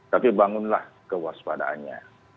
tapi bangunlah kewaspadaannya